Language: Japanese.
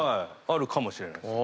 あるかもしれないです。